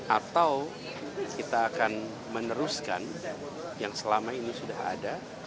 atau kita akan meneruskan yang selama ini sudah ada